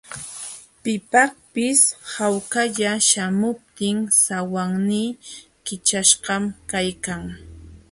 Pipaqpis hawkalla śhamuptin sawannii kićhaśhqam kaykan.